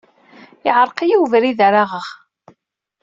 Yeɛreq-iyi webrid ara aɣeɣ.